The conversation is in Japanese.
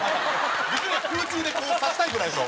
できれば空中でこう挿したいぐらいの。